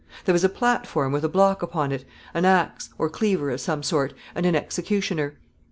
There was a platform with a block upon it, an axe, or cleaver of some sort, and an executioner.